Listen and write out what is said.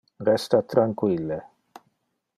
Resta tranquille.